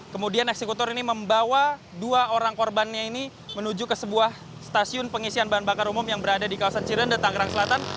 kemudian eksekutor ini membawa dua orang korbannya ini menuju ke sebuah stasiun pengisian bahan bakar umum yang berada di kawasan cirenda tangerang selatan